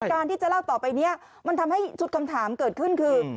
การที่จะเล่าต่อไปนี้มันทำให้ชุดคำถามเกิดขึ้นคือ